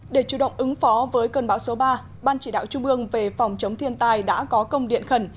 để chủ động ứng phó với cơn bão số ba ban chỉ đạo trung ương về phòng chống thiên tai đã có công điện khẩn